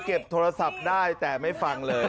โทรศัพท์ได้แต่ไม่ฟังเลย